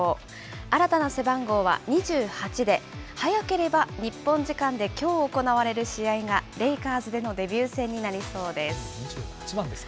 新たな背番号は２８で、早ければ日本時間できょう行われる試合がレイカーズでのデビュー２８番ですか。